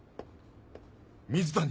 水谷！